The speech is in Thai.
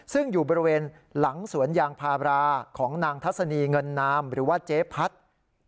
ซึ่งอยู่บริเวณหลังสวนยางพาราของนางทัศนีเงินนามหรือว่าเจ๊พัด